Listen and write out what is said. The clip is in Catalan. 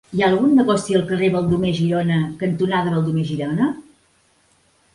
Hi ha algun negoci al carrer Baldomer Girona cantonada Baldomer Girona?